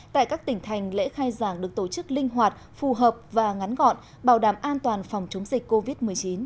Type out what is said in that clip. tại các tỉnh thành lễ khai giảng được tổ chức linh hoạt phù hợp và ngắn gọn bảo đảm an toàn phòng chống dịch covid một mươi chín